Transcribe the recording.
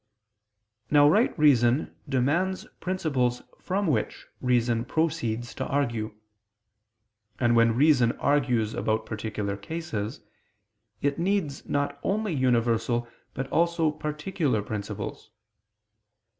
Now right reason demands principles from which reason proceeds to argue. And when reason argues about particular cases, it needs not only universal but also particular principles.